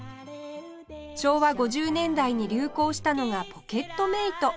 昭和５０年代に流行したのがポケットメイト